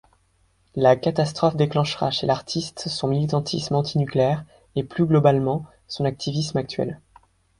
La catastrophe déclenchera chez l'artiste son militantisme antinucléaire et plus globalement son artivisme actuel.